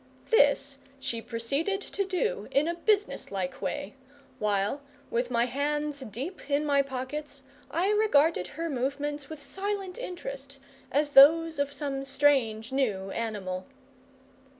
This she proceeded to do in a businesslike way, while, with my hands deep in my pockets, I regarded her movements with silent interest, as those of some strange new animal.